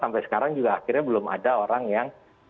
sampai sekarang juga akhirnya belum ada orang yang